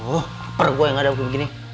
oh perut gue yang ada begini